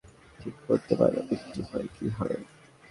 বৃষ্টি হলে কোন দিক দিয়ে চাকা ধরব, ঠিক করতে পারি না।